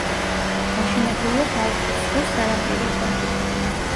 გაშენებულია ბალტიის ზღვის სანაპიროზე.